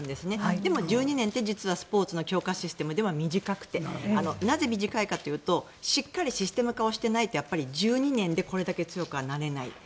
でも１２年って実はスポーツの強化システムでは短くてなぜ短いかというとしっかりシステム化をしてないとやっぱり１２年でこれだけ強くはなれない。